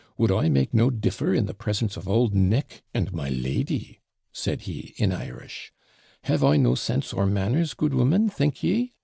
would I make no DIFFER in the presence of old Nick and my lady?' said he, in Irish. 'Have I no sense or manners, good woman, think ye?'